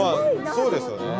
そうですよね。